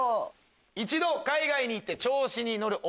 「一度海外に行って調子に乗る女」。